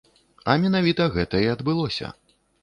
А менавіта гэта і адбылося.